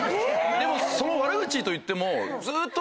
でもその悪口といっても。